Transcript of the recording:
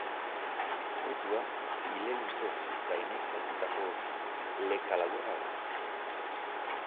Fruitua, ile luzez gaineztatutako leka laburra da.